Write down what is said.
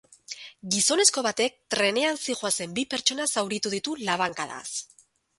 Gizonezko batek trenean zihoazen bi pertsona zauritu ditu labankadaz.